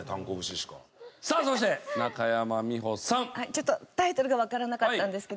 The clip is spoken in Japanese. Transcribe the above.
ちょっとタイトルがわからなかったんですけど。